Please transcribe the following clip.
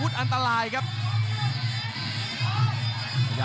กรรมการเตือนทั้งคู่ครับ๖๖กิโลกรัม